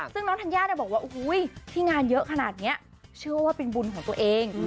ซึ่งน้องธัญญาบอกว่าที่งานเยอะขนาดนี้เชื่อว่าเป็นบุญของตัวเอง